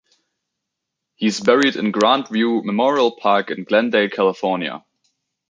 He is buried in Grand View Memorial Park in Glendale, California.